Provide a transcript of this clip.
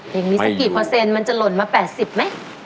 อย่างนี้สักกี่เปอร์เซ็นต์มันจะหล่นมา๘๐ไหม